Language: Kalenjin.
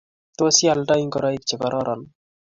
Tos ialdoi ngorik che kororon